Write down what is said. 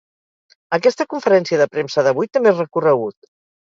Aquesta conferència de premsa d’avui té més recorregut.